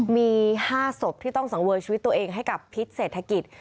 มี๕ศพที่ต้องสังเวยชีวิตตัวเองให้กับพิษเศรษฐกิจ